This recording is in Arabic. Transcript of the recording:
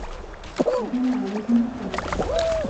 وَتَلَا عَلَيْهِمْ كِتَابَهُ